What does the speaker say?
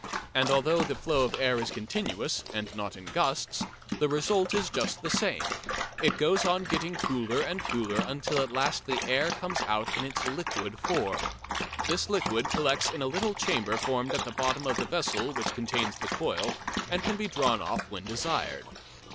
And although the flow of air is continuous, and not in gusts, the result is just the same: it goes on getting cooler and cooler until at last the air comes out in its liquid form. This liquid collects in a little chamber formed at the bottom of the vessel which contains the coil and can be drawn off when desired.